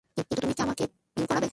কিন্তু তুমি কি আমাকে ট্রেনিং করাবে?